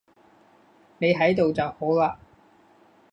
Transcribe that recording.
你喺度就好喇